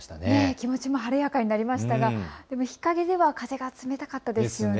気持ちも晴れやかになりましたが風が冷たかったですよね。